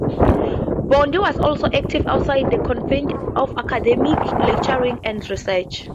Bondi was also active outside the confines of academic lecturing and research.